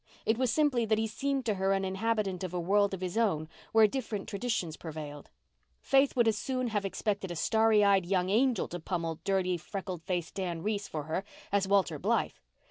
It was simply that he seemed to her an inhabitant of a world of his own, where different traditions prevailed. Faith would as soon have expected a starry eyed young angel to pummel dirty, freckled Dan Reese for her as Walter Blythe.